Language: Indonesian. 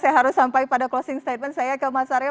saya harus sampai pada closing statement saya ke mas aryo